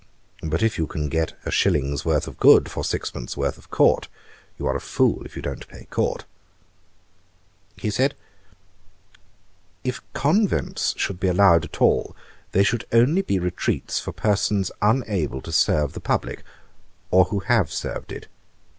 But if you can get a shilling's worth of good for six pence worth of court, you are a fool if you do not pay court.' He said, 'If convents should be allowed at all, they should only be retreats for persons unable to serve the publick, or who have served it.